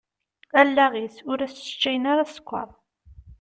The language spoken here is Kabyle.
Allaɣ-is, ur as-sseččayen ara ssekker.